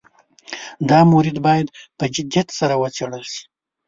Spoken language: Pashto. دا مورد باید په جدیت سره وڅېړل شي.